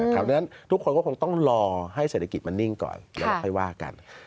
เพราะฉะนั้นทุกคนก็คงต้องรอให้เศรษฐกิจมันนิ่งก่อนแล้วเราค่อยว่ากัน